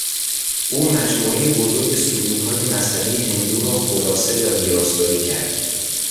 او مجموعهی بزرگسرودهای مذهبی هندو را خلاصه و ویراستاری کرد.